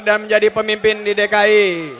dan menjadi pemimpin di dki